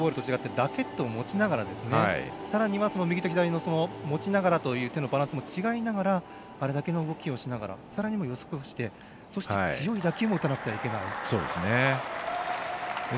ラケットを持ちながらさらには、右と左の持ちながらの手のバランスも違いながらあれだけの動きをしながらさらには予測をして強い打球を打たなければならない。